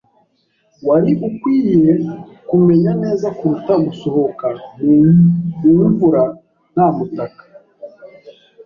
Wari ukwiye kumenya neza kuruta gusohoka mu mvura nta mutaka.